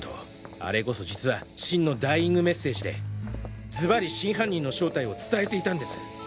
あれこそ実は真のダイイング・メッセージでズバリ真犯人の正体を伝えていたんですッ。